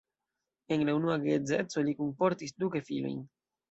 El la unua geedzeco li kunportis du gefilojn.